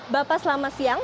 bapak selamat siang